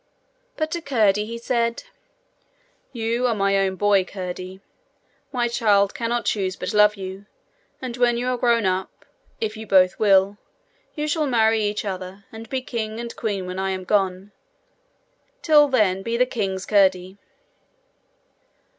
But to Curdie he said: 'You are my own boy, Curdie. My child cannot choose but love you, and when you are grown up if you both will you shall marry each other, and be king and queen when I am gone. Till then be the king's Curdie.'